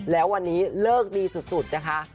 แล้ววันนี้เลิกดีสุดนะคะ